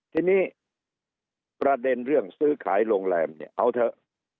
ทีนี้ประเด็นเรื่องซื้อขายโรงแรมเนี่ยเอาเถอะ